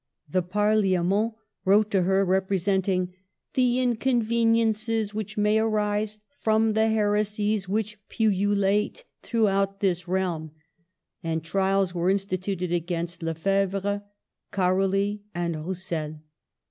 The ParHatnent wrote to her representing " the inconveniences which may arise from the heresies which pullu late throughout this realm ;" and trials were in stituted against Lefebvre, Caroli, and Roussel.